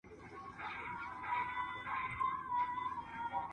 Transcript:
تاريخي پيښو د پانګونې لوری بدلاوه.